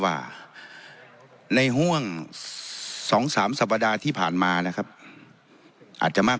ว่าในห่วงสองสามสัปดาห์ที่ผ่านมานะครับอาจจะมาก